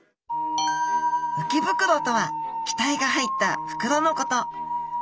浮き袋とは気体が入った袋のこと。